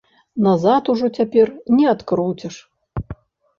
Назад ужо цяпер не адкруціш!